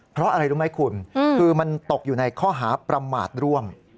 เพราะอะไรรู้ไหมคุณคือมันตกอยู่ในข้อหาประมาทร่วม